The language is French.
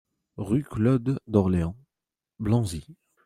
Rue Claude Dorleans, Blanzy